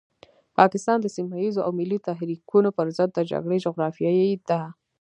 پاکستان د سيمه ييزو او ملي تحريکونو پرضد د جګړې جغرافيې ده.